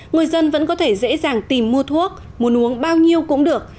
người dân vẫn có thể dễ dàng tìm mua thuốc mua uống bao nhiêu cũng được